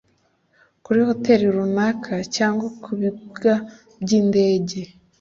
kuri hoteli runaka cyangwa ku bibuga by’indege